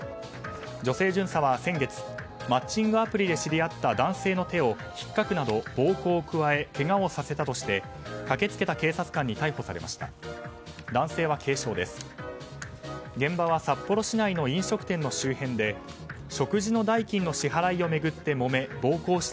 女性巡査は先月マッチングアプリで知り合った男性の手をひっかくなど暴行を加えけがをさせたとして駆けつけた警察官に逮捕されました。